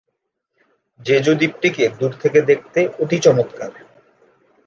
Jeju দ্বীপটিকে দূর থেকে দেখতে অতি চমৎকার।